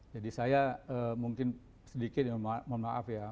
jadi saya mungkin sedikit memaaf ya